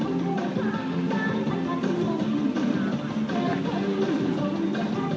ตรงตรงตรงตรงตรง